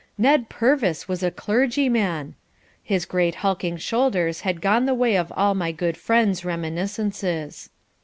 Ned Purvis was a clergyman! His great hulking shoulders had gone the way of all my good friend's reminiscences.